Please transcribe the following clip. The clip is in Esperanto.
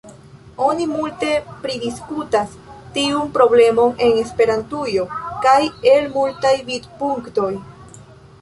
Oni multe pridiskutas tiun problemon en Esperantujo, kaj el multaj vidpunktoj.